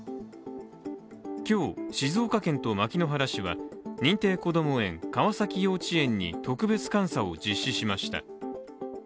今日、静岡県と牧之原市は認定こども園川崎幼稚園に特別監査を実施しました。